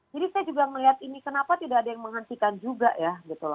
jadi saya juga melihat ini kenapa tidak ada yang menghentikan juga ya